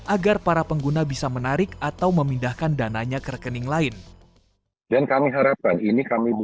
agar para pengguna bisa menarik atau memindahkan dananya ke rekening lain